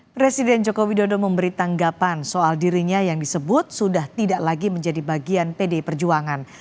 presiden joko widodo memberi tanggapan soal dirinya yang disebut sudah tidak lagi menjadi bagian pdi perjuangan